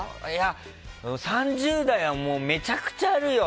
３０代はめちゃくちゃあるよ。